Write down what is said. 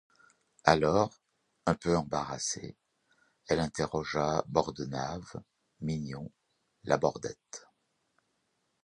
Alors, un peu embarrassée, elle interrogea Bordenave, Mignon, Labordette.